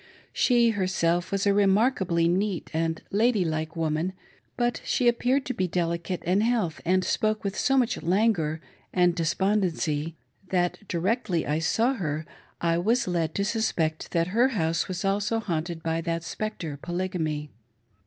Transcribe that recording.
She herself was a remarkably neat and lady like woman ; but she appeared to be delicate in health, and spoke with so much languor and despondency that, directly I saw her, I was led to suspect that her house also was haunted by that spectre — Polygamy.